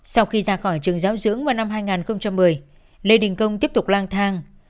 sau khi ra khỏi trường giáo dưỡng vào năm hai nghìn một mươi lê đình công tiếp tục lang thang